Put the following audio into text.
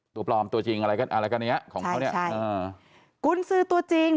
ตัวปลอมตัวจริงอะไรก็อะไรกันอย่างเงี้ยของเขาเนี่ยใช่อ่ากุญสือตัวจริง